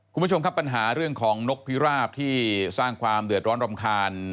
คุณผู้ชมครับปัญหาเรื่องของนกพิราบที่สร้างความเดือดร้อนรำคาญ